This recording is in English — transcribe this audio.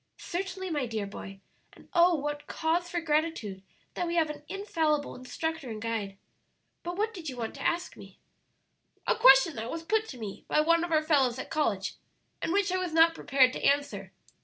"Certainly, my dear boy; and, oh what cause for gratitude that we have an infallible instructor and guide! But what did you want to ask me?" "A question that was put to me by one of our fellows at college, and which I was not prepared to answer.